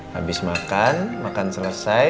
habis makan makan selesai